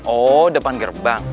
oh depan gerbang